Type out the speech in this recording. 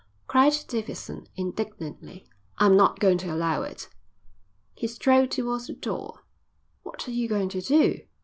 cried Davidson indignantly. "I'm not going to allow it." He strode towards the door. "What are you going to do?"